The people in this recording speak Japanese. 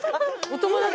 お友達！？